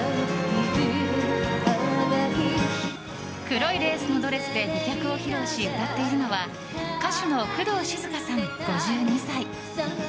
黒いレースのドレスで美脚を披露し、歌っているのは歌手の工藤静香さん、５２歳。